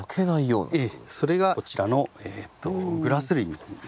それがこちらのグラス類になりますね。